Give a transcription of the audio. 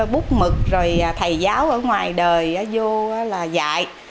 bút mực rồi thầy giáo ở ngoài đời vô là dạy